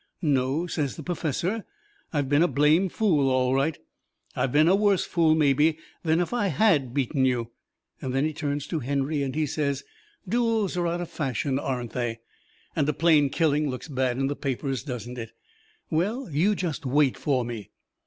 "No," says the perfessor, "I've been a blamed fool all right. I've been a worse fool, maybe, than if I HAD beaten you." Then he turns to Henry and he says: "Duels are out of fashion, aren't they? And a plain killing looks bad in the papers, doesn't it? Well, you just wait for me."